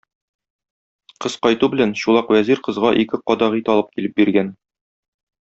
Кыз кайту белән, Чулак вәзир кызга ике кадак ит алып килеп биргән.